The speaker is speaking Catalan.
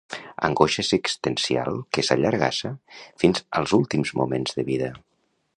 Angoixa existencial que s'allargassa fins als últims moments de vida.